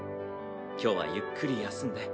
今日はゆっくり休んで。